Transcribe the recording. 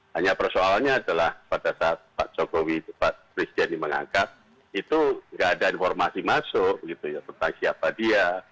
hanya persoalannya adalah pada saat pak jokowi pak presiden ini mengangkat itu tidak ada informasi masuk tentang siapa dia